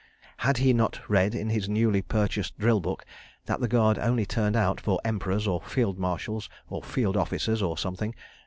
Had he not read in his newly purchased drill book that the Guard only turned out for Emperors or Field Marshals, or Field Officers or something?